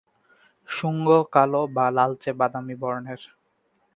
শুঙ্গ কালো বা লালচে বাদামি বর্নের।